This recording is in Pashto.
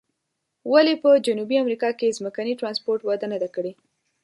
ولې په جنوبي امریکا کې ځمکني ترانسپورت وده نه ده کړې؟